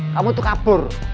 kamu itu kabur